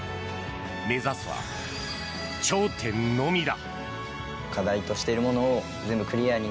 目指すは頂点のみだ。